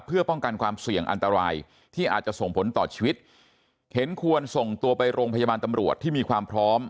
เพื่อป้องกันความเสี่ยงอันตรายที่อาจจะส่งผลต่อชีวิตเห็นควรส่งตัวไปโรงพยาบาลตำรวจที่มีความพร้อม